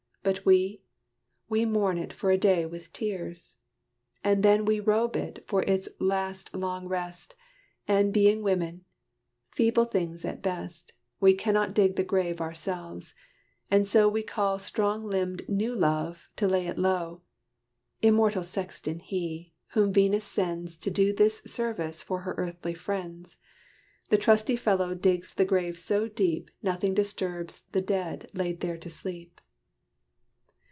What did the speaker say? But we? we mourn it for a day with tears! And then we robe it for its last long rest, And being women, feeble things at best, We cannot dig the grave ourselves. And so We call strong limbed New Love to lay it low: Immortal sexton he! whom Venus sends To do this service for her earthly friends, The trusty fellow digs the grave so deep Nothing disturbs the dead laid there to sleep."